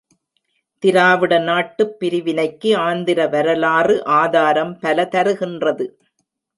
திராவிட நாட்டுப் பிரிவினைக்கு ஆந்திர வரலாறு ஆதாரம் பல தருகின்றது.